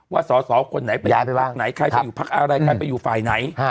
ว่าส่อคนไหนไปย้ายไปว่างไหนใครจะอยู่พักอะไรใครไปอยู่ฝ่ายไหน